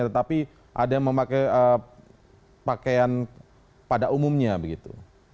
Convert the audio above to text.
tetapi ada yang memakai pakaian pada umumnya begitu